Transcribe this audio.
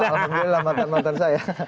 alhamdulillah mantan mantan saya